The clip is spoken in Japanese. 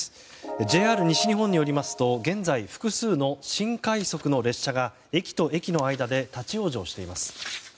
ＪＲ西日本によりますと現在、複数の新快速の列車が駅と駅の間で立ち往生しています。